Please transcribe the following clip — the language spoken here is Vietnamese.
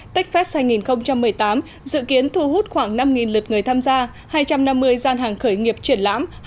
techfest hai nghìn một mươi tám dự kiến thu hút khoảng năm lượt người tham gia hai trăm năm mươi gian hàng khởi nghiệp triển lãm